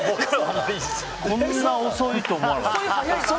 こんなに遅いとは思わなかった。